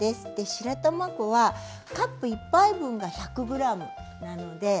白玉粉はカップ１杯分が１００ｇなんです。